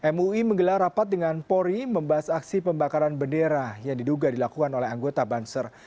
mui menggelar rapat dengan polri membahas aksi pembakaran bendera yang diduga dilakukan oleh anggota banser